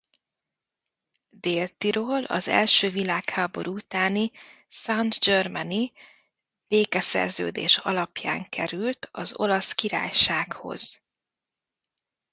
Dél-Tirol az első világháború utáni saint-germaini békeszerződés alapján került az Olasz Királysághoz.